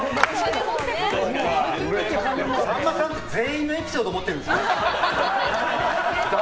さんまさんって全員のエピソード持ってるんですね。